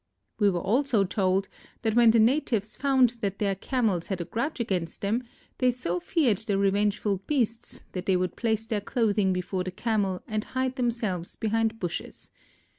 We were also told that when the natives found that their Camels had a grudge against them, they so feared the revengeful beasts that they would place their clothing before the Camel and hide themselves behind bushes.